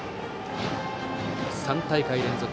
３大会連続